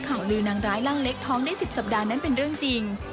ข่าวลือนางร้ายร่างเล็กท้องได้๑๐สัปดาห์นั้นเป็นเรื่องจริง